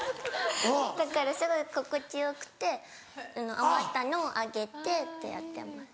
だからすごい心地よくて余ったのをあげてってやってます。